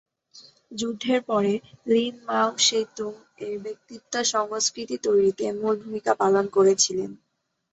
যুদ্ধের পরে, লিন মাও সে তুং এর ব্যক্তিত্ব সংস্কৃতি তৈরিতে মূল ভূমিকা পালন করেছিলেন।